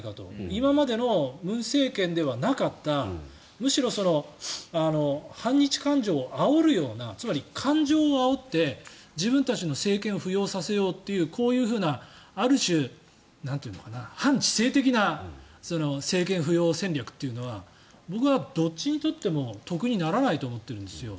今までの文政権ではなかったむしろ、反日感情をあおるようなつまり、感情をあおって自分たちの政権を浮揚させようというこういうある種、反知性的な政権浮揚戦略というのは僕はどっちにとっても得にならないと思っているんですよ。